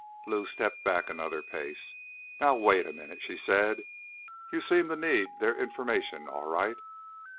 Lou stepped back another pace. "Now, wait a minute," she said. "You seemed to need their information, all right."